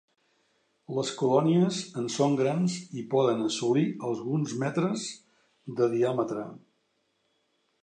Les colònies en són grans i poden assolir alguns metres de diàmetre.